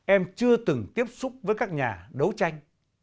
em chưa từng tiếp xúc với các nhà đấu tranh